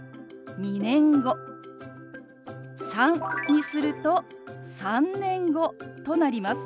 「３」にすると「３年後」となります。